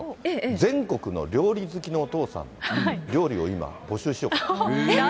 全国の料理好きのお父さんの料理を今、募集しようかと。